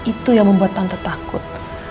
itu yang membuat tante takut